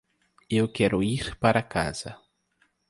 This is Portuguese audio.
Eu quero ir para casa.